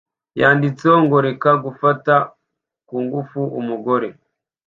yanditseho ngo "Reka gufata kungufu umugore